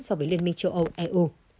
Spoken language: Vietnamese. so với liên minh châu âu eu